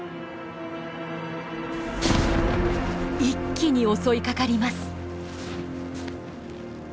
一気に襲いかかります。